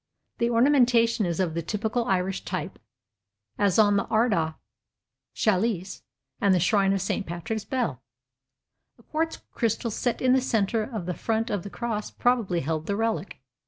The ornamentation is of the typical Irish type, as on the Ardagh Chalice and the Shrine of St. Patrick's Bell. A quartz crystal set in the centre of the front of the cross probably held the relic.